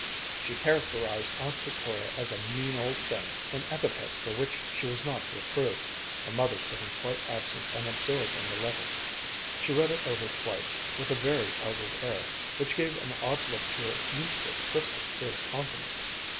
She characterized Aunt Victoria as a mean old thing, an epithet for which she was not reproved, her mother sitting quite absent and absorbed in the letter. She read it over twice, with a very puzzled air, which gave an odd look to her usually crystal clear countenance.